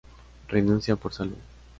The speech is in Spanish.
Renuncia por salud.